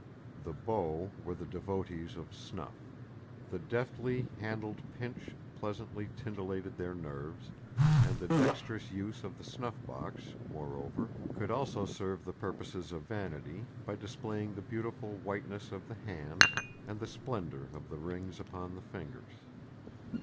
The beaux were the devotees of snuff. The deftly handled pinch pleasantly titillated their nerves, and the dexterous use of the snuff box, moreover, could also serve the purposes of vanity by displaying the beautiful whiteness of the hand, and the splendour of the rings upon the fingers.